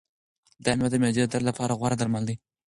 دا مېوه د معدې د درد لپاره غوره درمل دی.